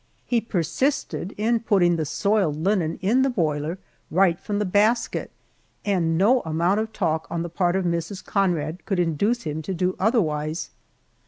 He persisted in putting the soiled linen in the boiler right from the basket, and no amount of talk on the part of Mrs. Conrad could induce him to do otherwise.